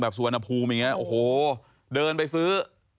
สุวรรณภูมิอย่างนี้โอ้โหเดินไปซื้อ